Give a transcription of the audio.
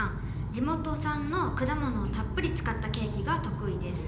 地元産の果物をたっぷり使ったケーキが得意です。